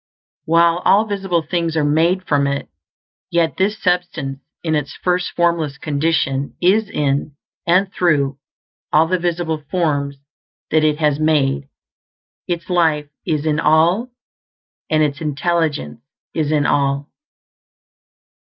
While all visible things are made from It, yet this Substance, in its first formless condition is in and through all the visible forms that It has made. Its life is in All, and its intelligence is in All.